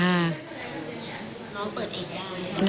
น้องเปิดเอกได้